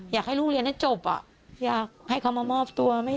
อยากให้ลูกเรียนให้จบอยากให้เขามามอบตัว